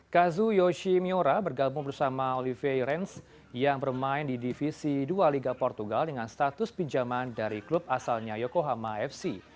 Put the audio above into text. kazu yoshimura bergabung bersama olivierence yang bermain di divisi dua liga portugal dengan status pinjaman dari klub asalnya yokohama fc